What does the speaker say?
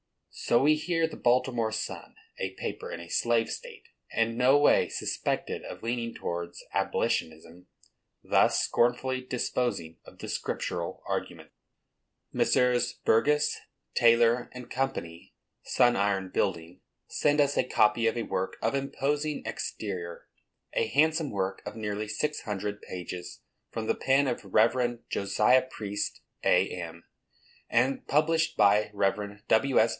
So we hear the Baltimore Sun, a paper in a slave state, and no way suspected of leaning towards abolitionism, thus scornfully disposing of the scriptural argument: Messrs. Burgess, Taylor & Co., Sun Iron Building, send us a copy of a work of imposing exterior, a handsome work of nearly six hundred pages, from the pen of Rev. Josiah Priest, A.M., and published by Rev. W. S.